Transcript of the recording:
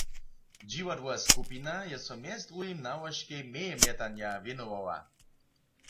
Dźiwadłowa skupina je so mjez druhim nałožkej mejemjetanja wěnowała.